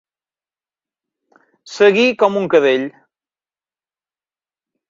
Seguir com un cadell.